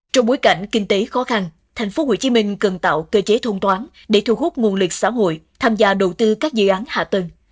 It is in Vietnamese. trong bối cảnh kinh tế khó khăn thành phố hồ chí minh cần tạo cơ chế thông toán để thu hút nguồn lực xã hội tham gia đầu tư các dự án hạ tầng